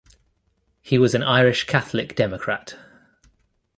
He was an Irish Catholic Democrat.